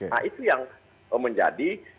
nah itu yang menjadi